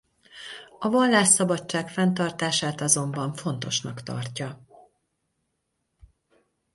A vallásszabadság fenntartását azonban fontosnak tartja.